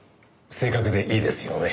正確でいいですよね。